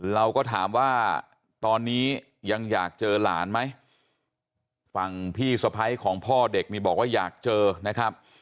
เราก็ถามว่าตอนนี้ยังอยากเจอหลานไหมฝั่งพี่สะพ้ายของพ่อเด็กนี่บอกว่าอยากเจอนะครับ